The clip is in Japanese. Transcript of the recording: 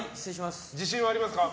自信はありますか？